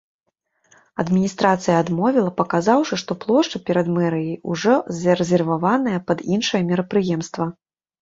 Адміністрацыя адмовіла, паказаўшы, што плошча перад мэрыяй ўжо зарэзерваваная пад іншае мерапрыемства.